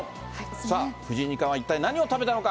さあ、藤井２冠は一体何を食べたのか。